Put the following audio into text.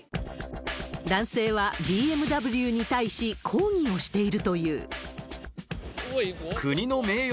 男性はＢＭＷに対し、抗議をしているという。